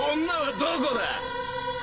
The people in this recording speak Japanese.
女はどこだ？